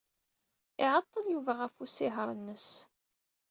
Iɛeḍḍel Yuba ɣef usihaṛ-nnes.